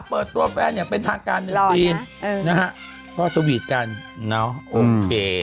เปิดตัวแฟนอย่างเป็นทางการหนึ่งปีนะฮะก็สวีทกันเนอะโอเค